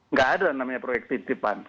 nggak ada namanya proyek titipan